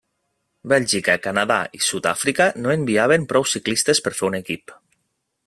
Bèlgica, Canadà i Sud-àfrica no enviaven prou ciclistes per fer un equip.